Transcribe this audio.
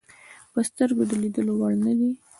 په سترګو د لیدلو وړ نه دي.